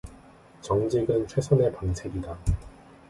정직은 최선의 방책이다